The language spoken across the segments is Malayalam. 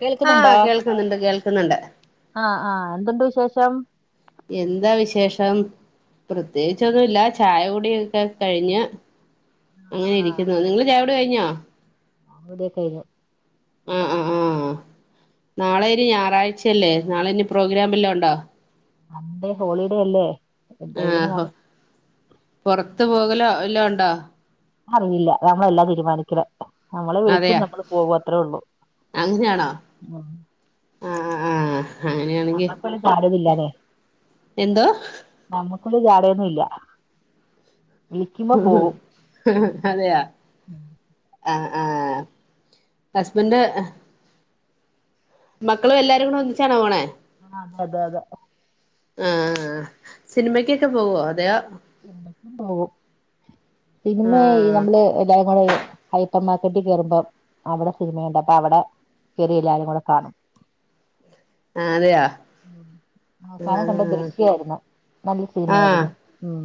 കേൾക്കുന്നുണ്ടോ ആഹ് കേൾക്കുന്നുണ്ട് കേൾക്കുന്നുണ്ട് ആഹ് ആഹ് എന്തുണ്ട് വിശേഷം? എന്താ വിശേഷം പ്രത്യേകിച്ചൊന്നുമില്ല ചായ കുടി ഒക്കെ കഴിഞ്ഞ് അങ്ങനെ ആഹ് ഇരിക്കുന്നു നിങ്ങള് ചായൂടി കഴിഞ്ഞോ? ചായൂടിക്കെ കഴിഞ്ഞു ആഹ് ആഹ് ആഹ് നാളെ ഇനി ഞായറാഴ്ചയല്ലേ നാളെ ഇനി പ്രോഗ്രാം വല്ലോം ഉണ്ടോ? സൺ‌ഡേ ഹോളിഡേ അല്ലേ പ്പ എന്തെലും കാണും. പുറത്ത് പോകലോ വല്ലോം ഉണ്ടോ? അറില്ല ഞങ്ങളല്ലാ തീരുമാനിക്കണെ ഞങ്ങളെ വിളിക്കും അതെയോ ഞങ്ങള് പോകും അത്രേ ഉള്ളു അങ്ങനെയാണോ മ്ഹ് ആഹ് ആഹ് ആഹ് അങ്ങനെയാണെങ്കിൽ നമ്മുക്കൊരു ജാടയൊന്നുമില്ലാതെ എന്തോ? നമ്മുക്കടെ ചാടയൊന്നും ഇല്ല വിളിക്കുമ്പോ പോകും അതെയാ ആഹ് ആഹ് ഹസ്ബൻഡ് മക്കളും എല്ലാരും കൂടെ ഒന്നിച്ചാണ പോണെ? ആഹ് അതെ അതെ അതെ ആഹ് ആഹ് ആഹ് സിനിമക്കൊക്കെ പോവോ അതെയൊ പോവും സിനിമെ ഈ ആഹ് നമ്മള് എല്ലാരും കൂടെ അപ്പമാക്കെട്ടി കേറുമ്പോം അവിടെ സിനിമയുണ്ട് അപ്പൊ അവിടെ കയറി എല്ലാവാരും കൂടെ കാണും. അതെയോ അവസാനം കണ്ട ആഹ് ദൃശ്യായിരുന്നു. നല്ല ആഹ് സീനായര്ത് ഉം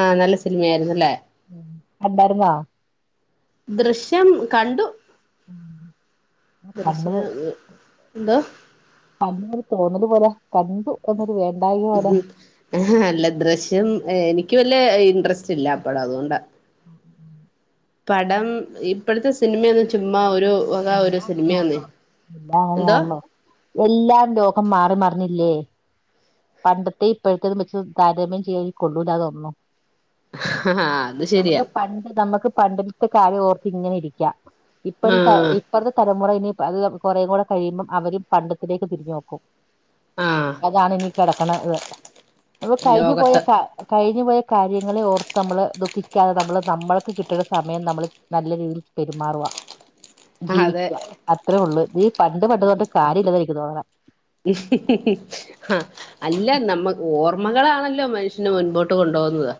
ആഹ് നല്ല സിനിമ ആയിരുന്നല്ലേ കണ്ടായിരുന്നോ ദൃശ്യം കണ്ടു ഉം കണ്ണ് ദൃശ്യ എന്തോ അന്നര് തോന്നത് പോലെ കണ്ടു എന്നൊരു വേണ്ടായ പോലെ ആഹ് അല്ല ദൃശ്യം എനിക്ക് വല്ല ഇൻട്രസ്റ്റ് ഇല്ല അപ്പട അതുകൊണ്ടാ ആ ഉ പടം ഇ ഇപ്പോഴത്തെ സിനിമന്ന് ഇപ്പ ചുമ്മാ ഒരു എല്ലാം വക ഒരു എല്ലാം സിനിമയാന്നേ അങ്ങനെയാണല്ലോ എല്ലാം എന്തോ അങ്ങനെയാണല്ലോ എല്ലാം ലോകം മാറി മറിഞ്ഞില്ലേ പണ്ടത്തെ ഇപ്പഴത്തെ വെച്ച് താരതമ്യം ചെയ്യ കൊള്ളൂല്ലാതൊന്നു ഹ ഹ അത് ശരിയാ പണ്ട് നമ്മക്ക് പണ്ടത്തെ കാര്യം ഓർത്ത് ഇങ്ങനെ ഇരിക്കാം ഇപ്പഴത്തെ ആഹ് ഇപ്പഴത്തെ തലമുറയിനെ അത് കുറേ കൂടെ കഴിയുമ്പം അവര് പണ്ടത്തിലേക്ക് തിരിഞ്ഞു നോക്കും ആഹ് അതാണ് ഇനി കിടക്കണത് അപ്പ കഴിഞ്ഞു പോയ ലോകത്ത് കാ കഴിഞ്ഞു പോയ കാര്യങ്ങളൾ ഓർത്ത് നമ്മള് ദുഃഖിക്കാതെ നമ്മള് നമ്മൾക്ക് കിട്ടുന്ന സമയം നമ്മള് നല്ല രീതിയിൽ പെരുമാറുവാ അതെ ജീവിക്കുക അത്രേ ഉള്ളൂ നീ പണ്ട് പണ്ടതൊണ്ട് കാര്യം ഇല്ലതനിക്ക് തോന്ന ആഹ് അല്ല നമ്മ ഓർമ്മകളാണല്ലോ മനുഷ്യനെ മുൻപോട്ട് കൊണ്ടുപോകുന്നത്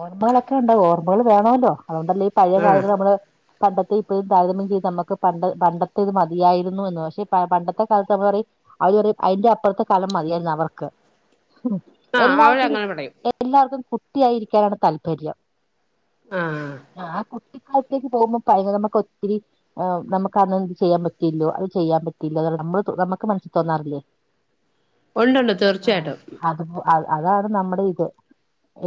ഓർമ്മകളൊക്കെ ഉണ്ടകു ഓർമ്മകൾ വേണമല്ലോ അതുകൊണ്ടല്ലേ ഈ പഴയ ആഹ് കാര്യങ്ങൾ നമ്മള് പണ്ടത്തെ ഇപ്പഴും താരതമ്യം ചെയ്ത് നമുക്ക് പണ്ട പണ്ടത്തെ ഇത് മതിയായിരുന്നു എന്ന് പക്ഷെ പണ്ടത്തെ കാലത്ത് നമ്മുക്ക് പറയും അവര് പറിം അയിന്റെ അപ്പറത്തെ കാലം മതിയായിരുന്നു അവർക്ക് ആഹ് എല്ലാത്തിും അവരങ്ങനെ പറയും എല്ലാര്ക്കും കുട്ടിയായിരിക്കാനാണ് താല്പര്യം ആഹ് ആഹ് ആ കുട്ടിക്കാലത്തേക്ക് പോകുമ്പോ പയ നമുക്ക് ഒത്തിരി ആ നമുക്ക് അന്ന എന്ത് ചെയ്യാൻ പറ്റിയില്ലോ അത് ചെയ്യാൻ പറ്റിയില്ലോ അ നമ്മള് നുക്ക് മനസ്സിൽ തോന്നാറില്ലേ ഉണ്ട്ണ്ട് ആ, തീർച്ചയായിട്ടും അത് അ അതാണ് നമ്മടെ ഇത്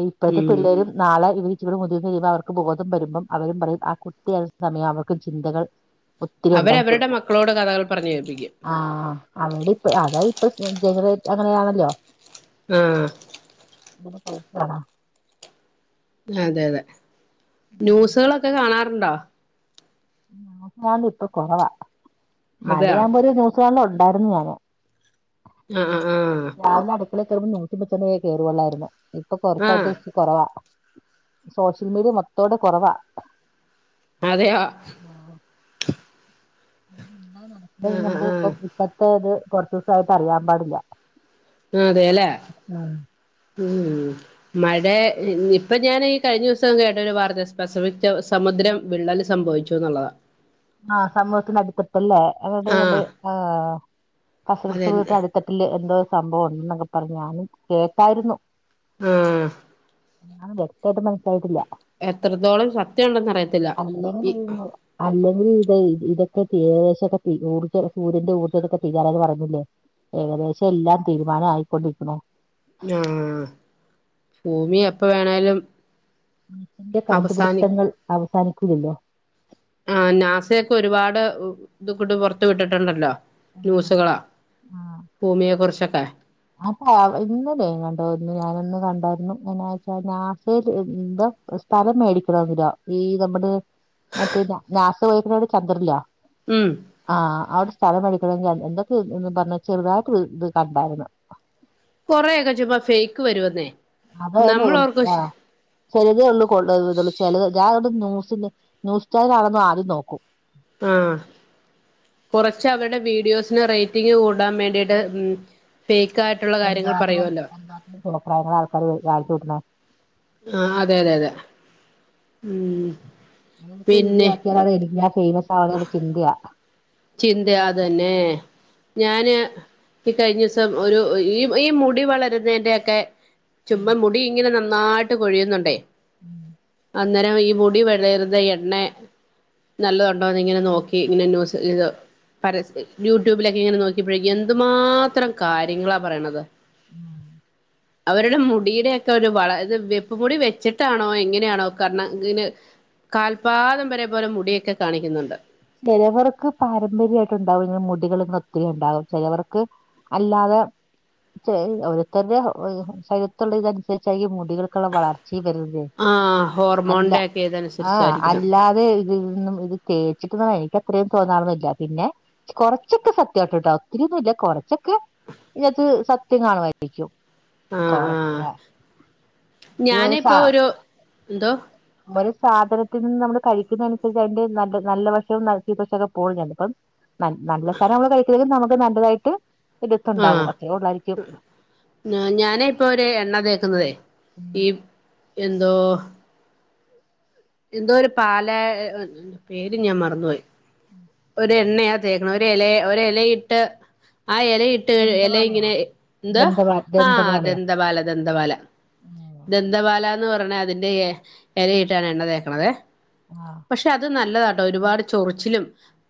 ഇപ്പഴത്തെ ഉം പിള്ളേരും നാളെ ഇവ ഇവിടെ മുതിർന്ന് കഴുമ്പൾ അവർക്ക് ബോധം വരുമ്പോം അവരും പറയും ആ കുട്ടിയുന്ന സമയം അവർക്കും ചിന്തകൾ ഒത്തിരി ഉണ്ടാക്കി അവരവരുടെ കൊടുക്കും മക്കളോട് കഥകൾ പറഞ്ഞു കേൽപ്പിക്കാം അവടെ ഇപ്പ അതാ ഇപ്പൊ ജനറേ അങ്ങനെയാണല്ലോ ആഹ് [unintelligible] അതെ അതെ ന്യൂസുകളൊക്കെ കാണാറ്ണ്ടോ? ന്യൂസലാണ്ട് ഇപ്പൊ കുറവാ അതെയോ മടിയുമ്പോ ഒരു ന്യൂസ് കാണല് ഉണ്ടായിരുന്നു ഞാന് അ അ ആഹ് അ അടുക്കളെ കേറുമ്പോ നൂറ്റിപ്പൊ കയറുകള്ളായിരുന്നു ഇപ്പ ആഹ് ആഹ് കൊറച്ചായിട്ട് കൊറവാ സോഷ്യൽ മീഡിയ മൊത്തോടെ കൊറവാ അതെയോ ആ ആഹ് നമുക്ക് ആഹ് ആഹ് ഇപ്പ ഇപ്പത്തെ ഇത് കൊറച്ചുസായിട്ട് അറിയാൻ പാടില്ല അതെല്ലേ ഉം മഴ ഇപ്പൊ ഞാന് ഈ കഴിഞ്ഞ ദിവസം കേട്ട ഒരു വാർത്ത സ്പെസഫിക് സമുദ്രം വിള്ളല് സംഭവിച്ചു ന്നുള്ളതാ ആഹ് സമൂഹത്തിന്റെ അടുത്തട്ടല്ലേ അണ്ട്ണ്ട് ആഹ് ആ കസ സമൂഹത്തി അതെന്നെ അട് തട്ടില് എന്തോ സംഭവം ഉണ്ടെന്നൊക്കെ പറഞ്ഞ് ഞാനും കേട്ടായിരുന്നു ആഹ് അതൊന്നും വ്യക്തയിട്ട് മനസ്സിലായിട്ടില്ല എത്രത്തോളം സത്യം ഉണ്ടെന്ന് അറിയത്തില്ല അല്ല ഈ ചെയുന്നു അല്ലെങ്കിൽ ഇതെയ് ഇതൊക്കെ കേശൊക്കെ ഊർജ്ജ സൂര്യന്റെ ഊർജ്ജക്കൊക്കെ തീരാറായെന്ന് പറയുന്നില്ലേ ഏകദേശം എല്ലാം തീരുമാനം ആയിക്കൊണ്ടിരിക്കണു ആഹ് ഭൂമി എപ്പം വേണേലും മനുഷന്റെ അവസാനി കണ്ടുപിടുത്തങ്ങൾ അവസാനിക്കില്ലോ ആ നാസയൊക്കെ ഒരുപാട് ഇത്ടക്കെട് പൊറത്തു വിട്ടിട്ടുണ്ടല്ലോ ന്യൂസുകള് ഭൂമിയെ കുറിച്ചൊക്കെ അതാ ഇന്നല്ലേങ്ങാണ്ട് ഞാനൊന്ന് കണ്ടായിരുന്നു എങ്ങനെയാച്ച നാസേൽ എന്തോ സ്ഥലം മേടിക്കണൊന്നില്ല ഈ നമ്മടെ മറ്റേ നാസ [unintelligible] ചന്ദ്രൻലി നേ ഉം ആഹ് അവിടെ സ്ഥലം മേടിക്കണോങ്കി എന്തൊക്കെന്ന് പറഞ്ഞ് ചെറുതായിട്ട് ഇത് കണ്ടായിരുന്നു കൊറെക്കെ ചുമ്മ ഫേക്ക് വരുന്നേ അതെ ഒന്ന് ആഹ് ചെലതേ ഒള്ളൂ കൊള്ള [unintelligible] ചെലത് ഞാനതോണ്ട് ന്യൂസിന്റെ ന്യൂസ് ചാനലാണോന്ന് ആദ്യം നോക്കും ആഹ് കൊറച്ച് അവരുടെ വീഡിയോസിന് റേറ്റിംഗ് കൂടാൻ വേണ്ടിട്ട് ഉം ഫേക്ക് ആയിട്ടുള്ള കാര്യങ്ങൾ പറയുവല്ലോ എന്തൊക്കെ കോപ്രായങ്ങളാ ആൾക്കാര് കാണിച്ചുകൂട്ടുണെ ആഹ് അതെ അതെ അതെ ഉം നിക്ക് ഇത് പിന്നെ ആക്കിയാലാണ് എനിക്ക് ഞാൻ ഫേമസ് ആവണെ ന്ന ചിന്തയ ചിന്തയാ അത് തന്നെ ഞാന് ഈ കഴിഞ്ഞ ദിവസം ഒരു ഈ ഈ മുടി വളരുന്നതിന്റെഒക്കെ ചുമ്മ മുടി ഇങ്ങനെ നന്നായിട്ട് കൊഴിയുന്നുണ്ടേ ഉം അന്നേരം ഈ മുടി വളരുന്ന എണ്ണ നല്ലതുണ്ടോന്ന് ഇങ്ങനെ നോക്കി ഇങ്ങനെ ന്യൂസ് ഇത് പരസ യൂട്യൂബിലൊക്കെ ഇങ്ങനെ നോക്കിയപ്പഴേക്കും എന്തുമാത്രം കാര്യങ്ങളാ പറയണത് ഉം അവരുടെ മുടിയുടെ ഒക്കെ ഒരു വള ഇത് വെപ്പ് മുടി വെച്ചിട്ടാണോ എങ്ങനെയാണോ കരണ ഇങ്ങനെ കാൽപാദം വരെ പോലെ മുടിയൊക്കെ കാണിക്കുന്നുണ്ട് ചിലവർക്ക് പാരമ്പര്യയിട്ട് ഉണ്ടാവും മുടികള് ഒന്ന് ഒത്തിരി ഉണ്ടാവും ചിലവർക്ക് അല്ലാതെ ചെ ഓരരുത്തരുടെ ശരീരത്തുള്ള ഇതനുസരിച്ചായിരി ക്കും മുടികള് വളർച്ച വരതെ ആ അല്ല ഹോർമോണിന്റെ ഒക്കെ ആ ഇതനുസരിച്ചായിരിക്കണം അല്ലാ അ ഇന്നും ഇത് തേച്ചിട്ടൊന്നും എനിക്ക് അത്രയും തോന്നാറൊന്നില്ല പിന്നെ കൊറച്ചൊക്കെ സത്യമായിട്ട്ട്ടോ ഒത്തിരിയൊന്നും ഇല്ല കൊറച്ചൊക്കെ ഇതിനകത്ത് സത്യം കാണു വായിരിക്കും ആഹ് ആഹ് കൊറെക്കെ [unintelligible] ഞാനിപ്പോ സാ ഒരു എന്തോ ഒരു സാധനത്തിൽ നിന്ന് നമ്മള് കഴിക്കുന്നനുസരിച്ച് അതിന്റെ നല്ല നല്ല വശവും ചീത്തവശക്കെ പോകണ്ട് ഇപ്പം നല്ല സാനം നമ്മള് കഴിക്കുന്നെങ്കിൽ നമുക്ക് നല്ലതായിട്ട് ത്ത്ണ്ടാകും അത്രേള്ളായിരിക്കും ഉം ഞാനെ ഇപ്പൊ ഒര് എണ്ണ തേക്കുന്നതേ ഉം ഈ എന്തോ എന്തോ ഒരു പാല പേര് ഞാൻ മറന്നുപോയി ഉം ഒരു എണ്ണയാ തേക്കണ ഒരു എല ഒര് എലയിട്ട് ആ എലയി ട്ട് എല ദന്തവാളയാ ഇങ്ങനെ എന്തുവാ ദന്തവാ ആഹ് ദന്തവാളയാ ദന്തപാല ദന്തപാല ദന്തപാലന്ന് പറഞ്ഞ അതിന്റെ എലയിട്ടാണ് എണ്ണ തേക്കണതേയ് ആഹ് പക്ഷെ അത് നല്ലതാട്ടോ ഒരുപാട് ചൊറിച്ചിലും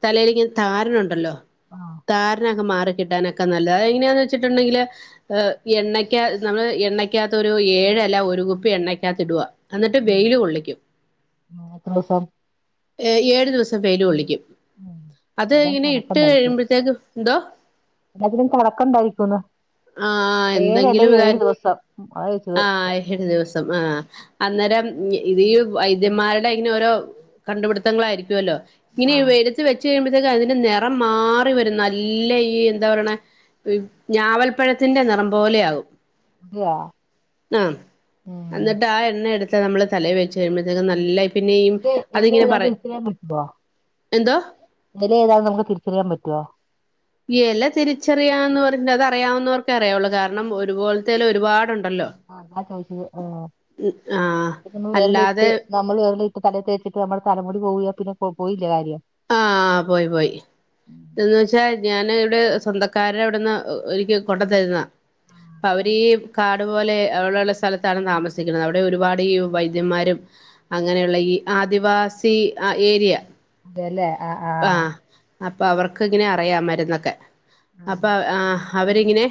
തലെലിങ്ങനെ താരനുണ്ടല്ലോ ആഹ് താരനൊക്കെ മാറി കിട്ടാനൊക്കെ നല്ലതാ. അതെങ്ങനെയാന്ന് വെച്ചിട്ടുണ്ടെങ്കില് എഹ് എണ്ണക്കാ നമ്മള് എണ്ണയ്ക്കകത്ത് ഒരു ഏഴെല ഒരു കുപ്പി എണ്ണക്കകത്ത് ഇടുക. എന്നിട്ട് വെയില് കൊള്ളിക്കും. ആഹ് എത്രോസം? ഏഹ് ഏഴു ദിവസം വെയില് കൊള്ളിക്കും ഉം അത് എല്ലാം ഇങ്ങനെ ഇട്ട് കഴിയുമ്പഴ്ത്തേക്ക്, ന്തോ? അതിനും കണക്ക്ണ്ടായിരിക്കുന്ന്. ആഹ് ഏഴ് എല എന്തെങ്കിലും ഏഴ് ദിവസം അതാ ചോയ്ച്ചത് ഏഴു ദിവസം ആഹ് അന്നേരം ഇത് ഈ വൈദ്യന്മാരുടെ ഇങ്ങനെ ഓരോ കണ്ടുപിടുത്തങ്ങളായിരിക്കുവല്ലോ. ഇനി ആഹ് വെയിലത്ത്‌ വെ ച്ച് കഴിയുമ്പഴ്ത്തേക്ക് അതിന്റെ നിറം മാറി വരും നല്ല ഈ എന്താ പറയണെ ഞാവൽ പ്പഴത്തിന്റെ നിറം പോലെ ആകും. അതെയാ ആഹ് ഉം അന്നിട്ട് ആ എണ്ണ എടു ത്ത് നമ്മള് തലേ വെച്ച് കഴിയുമ്പഴ്ത്തേക്ക് നല്ല പിന്നെയിം ഇത് ഇല അതിങ്ങനെ പറ ഏതാന്ന് എന്തോ എല ഏതാണ് ന്ന് നമുക്ക് തിരിച്ചറിയാൻ പറ്റൊ? ഈ എല തിരിച്ചറിയാന്ന് പറഞ്ഞ അത് അറിയാവുന്നവർക്കേ അറിയുള്ളൂ കാരണം ഒരുപോലത്തെ എല ഒരുപാടുണ്ടല്ലോ ആഹ് അതാ ചോയിച്ചത് ആഹ് ആഹ് വിരലിട്ട് അല്ലാതെ നമ്മൾ വിരലി ട്ട് തലേ തേച്ചിട്ട് നമ്മളെ തല മുടി പോയാ പിന്നെ പൊ പോയില്ലേ കാര്യം. ആഹ് പോയി പോയി എന്ന് വെച്ചാ ഞാന് ഇവിടെ സ്വന്തക്കാരെ അവിടെന്ന് എനിക്ക് കൊണ്ട് തരുന്നാ അപ്പൊ അവരീ കാടു പോലെ ഉള്ള സ്ഥലത്താണ് താമസിക്കുന്നത് അവടെ ഒരുപാട് ഈ വൈദ്യന്മാരും അങ്ങനെയുള്ള ഈ ആദിവാസി ഏരിയ അതെല്ലേ അഹ് ആഹ് അപ്പൊ അവർക്കിങ്ങനെ അറിയാം മരുന്നൊക്കെ ആഹ് അപ്പൊ ആഹ് അവരിങ്ങനെ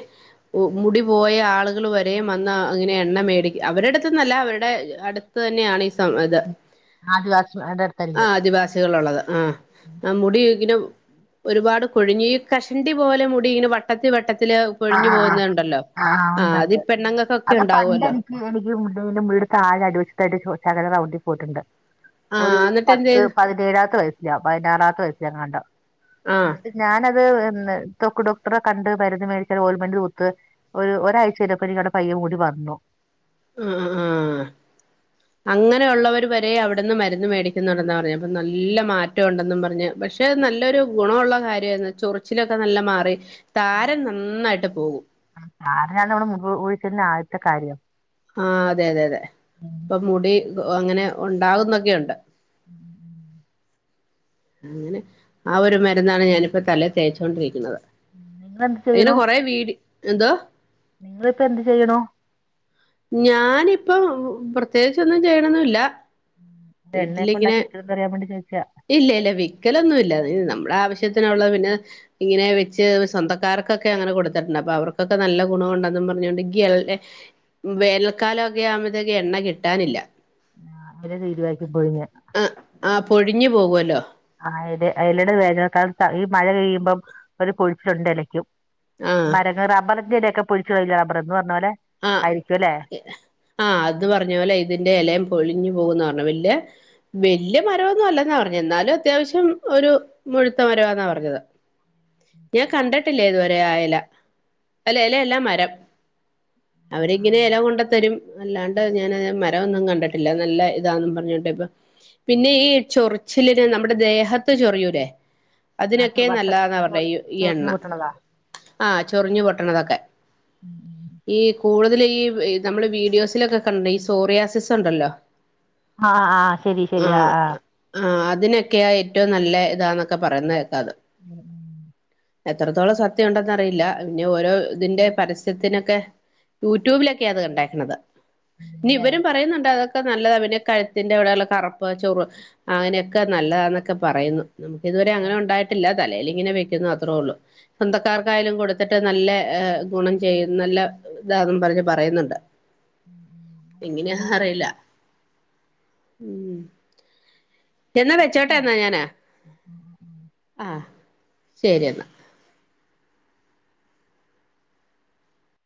മുടി പോയ ആളുകൾ വരെം വന്ന് അങ്ങനെ എണ്ണ മേടിക്ക അവര്ടെ അട്ത്ത്ന്നല്ല അവര്ടെ അട് ത്ത് തന്നെയാണ് ഈ സം ഇത്. ആദിവാസിമാരുടെ അടുത്തായിരിക്കും ആഹ് ആദിവാസികളുള്ളത് ആഹ് ആ മുടി ഇങ്ങനും ഒരുപാട് കൊഴിഞ്ഞീ കഷണ്ടി പോലെ മുടി ഇങ്ങനെ വട്ടത്തി വട്ടത്തില് ആഹ് പൊഴിഞ്ഞു ആഹ് ആഹ് പോകുന്നത്ണ്ടല്ലോ ആഹ് അതി പെണ്ണുങ്ങൾക്കൊക്കെ അത് പണ്ട് ഉണ്ടാവുവല്ലോ എനിക്ക് [unintelligible] താഴെ അടിവഷത്തായിട്ട് ശകല റൗണ്ടി പോയിട്ടുണ്ട്. ആ ഒരു എന്നിട്ട് എന്ത് പത്ത് ചെയ്ത് പതിനേഴാമത്തെ വയസ്സിലാ പതിനാറാമത്തെ വയസ്സിലാ എങ്ങാണ്ടോ. ആ ഞാനത് വന്ന് തൊക്ക് ഡോക്ടറെ കണ്ട് മരുന്ന് മേടി ഓൽമെന്റ് കുത്ത് ഒരു ഒരാഴ്ചയപ്പോ പയ്യെ മുടി വന്നു അഹ് ആഹ് അങ്ങനെയുള്ളവര് വരെ അവിടുന്ന് മരുന്ന് മേടിക്കുന്നുണ്ടെന്നാ പറഞ്ഞെ അപ്പൊ നല്ല മാറ്റ ഉണ്ടെന്നും പറഞ്ഞ് പക്ഷെ ത് നല്ലൊരു ഗുണമുള്ള കാര്യായിരുന്നു ചൊറിച്ചിലൊക്കെ നല്ല മാറി. താരൻ നന്നായിട്ട് പോകും. താരനാണ് നമ്മടെ മുടി കൊ കോഴിച്ചിൽ ന്റെ ആദ്യത്തെ കാര്യം ആഹ് അതെ അതെ അതെ ഇപ്പൊ മുടി അങ്ങനെ ഉണ്ടാവുന്നൊക്കെയുണ്ട്. ഉം ഉം അങ്ങനെ. ആ ഒരു മരുന്നാണ് ഞാനിപ്പോ തലെ തേച്ചൊണ്ടിരിക്കുന്നത്. ഉം നിങ്ങെളെന്ത് അ യിന്ന് കൊറെ വീടി എന്തോ നിങ്ങളിപ്പോ എന്ത് ചെയ്യ്ണു? ഞാനിപ്പം. പ്രത്യേകിച്ചൊന്നും ചെയ്യ്ണൊന്നുല്ല എണ്ണക്കെണ്ടാക്കിട്ടൊ ന്നറിയാൻ വേണ്ടി ചോദിച്ചാ ഇല്ല യില്ല. വിക്കലൊന്നു ഇല്ല. പിന്നെ നമ്മളെ ആവശ്യത്തിനുള്ള പിന്നെ ഇങ്ങനെ വെച്ച് സ്വന്തക്കാർക്കൊക്കെ അങ്ങനെ കൊടുത്തിട്ടുണ്ട് അപ്പൊ അവർക്കൊക്കെ നല്ല ഗുണ ഉണ്ടെന്നും പറഞ്ഞോണ്ട് [unintelligible] വേനൽക്കാലൊ ഒക്കെ ആവുമ്പത്തേക്ക് എണ്ണ കിട്ടാനില്ല. പിന്നെ [unintelligible] പോയീന്യോ? അഹ് ആഹ് പൊഴിഞ്ഞു പോകുവല്ലോ ആഹ് ഇത് അയ്ല്ട് വേനൽക്കാലത്താ ഈ മഴ പെയ്യുമ്പം ഒരു കൊഴിച്ചുംണ്ട് എലയ്ക്കും ആഹ് മരങ്ങ റബറിന്റെയെലെക്കെ [unintelligible] പറഞ്ഞപോലെ ആഹ് ആ അത് പറഞ്ഞ പോലെ ഇതിന്റെ എലയും പൊളിഞ്ഞു പോകുന്ന് പറഞ്ഞ വല്ല് വെല്യ മരമൊന്നുമല്ലെന്നാ പറഞ്ഞെ എന്നാലും അത്യാവശ്യം ഒരു മുഴുത്ത മരവാന്നാ പറഞ്ഞത്. ഞാൻ കണ്ടട്ടില്ല ഇതുവരെ ആയെല, അല്ല എല എല്ലാ മരം അവരിങ്ങനെ എല കൊണ്ടതരും അല്ലാണ്ട് ഞാന് മരമൊന്നും കണ്ടട്ടില്ല നല്ല ഇതാന്നും പറഞ്ഞിണ്ട് ഇപ്പൊ പിന്നേ ഈ ചൊറിച്ചിലിന്, നമ്മുടെ ദേഹത്ത് ചൊറിയൂലേ? ആ അതിനൊക്കെ ചൊ- വട്ട് നല്ലതാന്നാ പറഞ്ഞെ ചൊറി ഈ ഈ എണ്ണ. ചൊറിഞ്ഞു പൊട്ടണതാ ആഹ്ചൊറിഞ്ഞു പൊട്ടണതൊക്കെ. ഉം ഉം ഈ കൂടുതൽ ഈ വ് നമ്മള് വീഡിയോസിലൊക്കെ കണ്ട ഈ സോറിയാസിസ് ഉണ്ടല്ലോ ആഹ് ആഹ് ശരി ശരി ആ ആഹ് ആ ആഹ് അതിനൊക്കെയാ ഏറ്റവും നല്ല ഇതാന്നൊക്കെ പറയുന്ന കേക്കാത് എത്രത്തോളം സത്യം ഉണ്ടെന്നറിയില്ല, പിന്നെ ഓരോ ഇതിന്റെ പരസ്യത്തിനെക്കെ ഊറ്റ്യൂബിലൊക്കെയാ അത് കണ്ടേക്കണത് ഇനി ഇവരും പറയുന്നുണ്ട് അതൊ നല്ലതാ പിന്നെ കഴുത്തിന്റെ അവിടെള്ള കറപ്പ് ചൊറ് അങ്ങനെയൊക്കെ നല്ലതാന്നൊക്കെ പറയുന്നു എനിക്കിതുവരെ അങ്ങനെ ഒണ്ടായിട്ടില്ല, തലേൽ ഇങ്ങനെ വെക്കുന്നു അത്രേ ഉള്ളൂ സ്വന്തക്കാർക്കായാലും കൊടു ട്ട് നല്ല ഏഹ് ഗുണം ചെയ്യും നല്ല ഇതാന്നും പറഞ്ഞ് പറയുന്നുണ്ട് എങ്ങനെയാഹ് അറിയില്ല ഉം എന്നാ വെച്ചോട്ടെ അതെല്ലേ എന്നാ ഞാന്, ആഹ് ശെരി എന്നാ